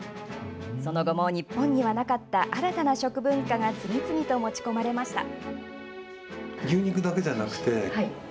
その後も日本にはなかった新たな食文化が次々と持ち込まれました。